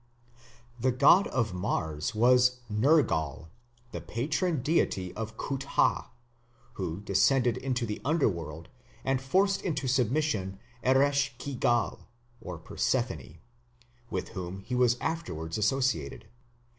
The god of Mars was Nergal, the patron deity of Cuthah, who descended into the Underworld and forced into submission Eresh ki gal (Persephone), with whom he was afterwards associated.